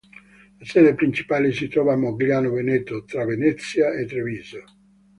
La sede principale si trova a Mogliano Veneto, tra Venezia e Treviso.